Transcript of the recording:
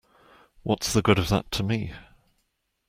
What's the good of that to me?